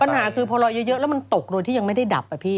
ปัญหาคือพอลอยเยอะแล้วมันตกโดยที่ยังไม่ได้ดับอะพี่